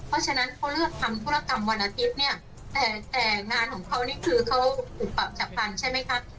เพราะฉะนั้นเขาเลิกทำธุรกรรมวันอาทิตย์เนี่ยแต่แต่งานของเขานี่คือเขาถูกปรับจับกันใช่ไหมคะ